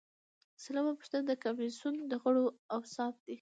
سلمه پوښتنه د کمیسیون د غړو اوصاف دي.